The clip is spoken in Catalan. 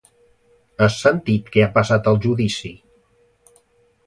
Has sentit què ha passat al judici?